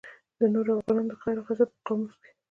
د نورو افغانانو د قهر او غضب په قاموس کې.